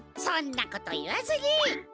そんなこといわずに。